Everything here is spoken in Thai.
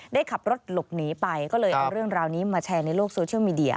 ได้ขับรถหลบหนีไปก็เลยเอาเรื่องราวนี้มาแชร์ในโลกโซเชียลมีเดีย